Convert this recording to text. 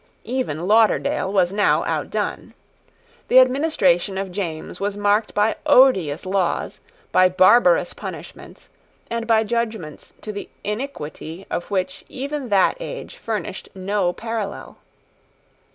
Even Lauderdale was now outdone. The administration of James was marked by odious laws, by barbarous punishments, and by judgments to the iniquity of which even that age furnished no parallel.